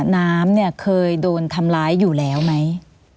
น้ำเนี่ยเคยโดนทำร้ายอยู่แล้วไหม